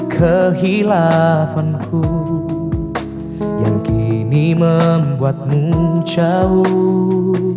kehilafanku yang kini membuatmu jauh